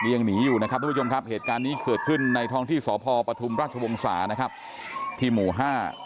เลี้ยงหนีอยู่นะครับผู้ชมครับการนี้เกิดขึ้นในทองที่ศพปทุมราชวงศาที่หมู่ห้า